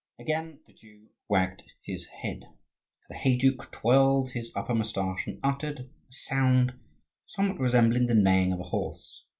Again the Jew wagged his head. The heyduke twirled his upper moustache and uttered a sound somewhat resembling the neighing of a horse.